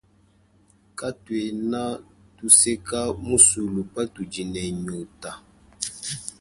Katuena tuseka muzulu patudi ne nyotato.